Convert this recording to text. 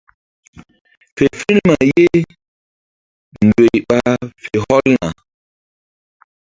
Fe firma ye ndoy ɓa fe hɔlna.